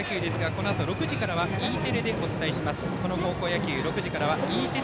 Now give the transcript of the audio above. このあと６時からはＥテレでお伝えします。